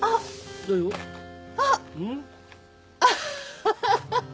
ハハハハ。